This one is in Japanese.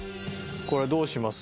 これどうします？